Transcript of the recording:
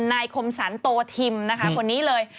นายคมสรรโตทิมนะคะคนนี้เลย